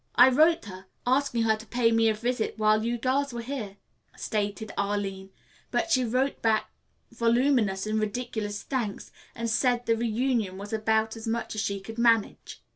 "I wrote her, asking her to pay me a visit while you girls were here," stated Arline, "but she wrote back voluminous and ridiculous thanks and said the reunion was about as much as she could manage."